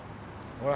ほら。